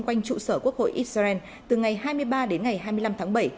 quanh trụ sở quốc hội israel từ ngày hai mươi ba đến ngày hai mươi năm tháng bảy